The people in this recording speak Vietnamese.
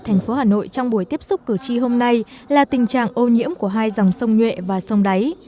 thành phố hà nội trong buổi tiếp xúc cử tri hôm nay là tình trạng ô nhiễm của hai dòng sông nhuệ và sông đáy